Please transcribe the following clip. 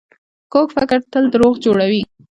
کوږ فکر تل دروغ جوړوي